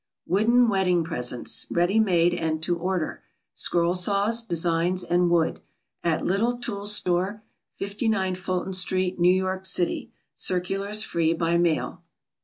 WOODEN WEDDING PRESENTS Ready made and to order. SCROLL SAWS, DESIGNS, AND WOOD, At LITTLE'S TOOL STORE, 59 Fulton St., N. Y. City. Circulars free by mail.